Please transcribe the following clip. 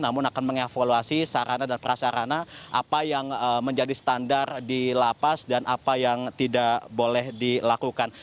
namun akan mengevaluasi sarana dan prasarana apa yang menjadi standar di lapas dan apa yang tidak boleh dilakukan